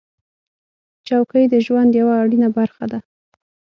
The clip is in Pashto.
چوکۍ د ژوند یوه اړینه برخه ده.